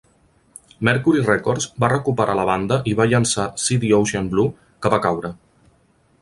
Mercury Records va recuperar la banda i va llançar See the Ocean Blue, que va caure.